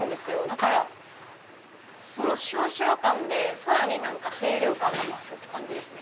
だからそのシュワシュワ感でさらに清涼感が増すって感じですね。